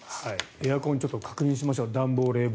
エアコンを確認しましょう暖房、冷房。